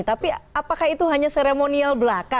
tapi apakah itu hanya seremonial belaka